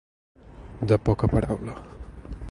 De poca paraula.